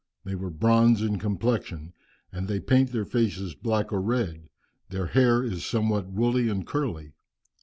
They were bronze in complexion, and they paint their faces black or red; their hair is somewhat woolly and curly.